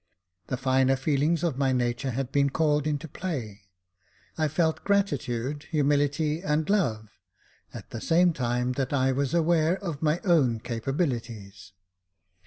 The finer feelings of my nature had been called into play. I felt gratitude, humility, and love, at the same time that I was aware of my own capabilities.